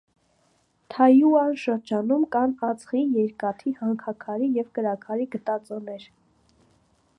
Թայյուան շրջանում կան ածխի, երկաթի հանքաքարի և կրաքարի գտածոներ։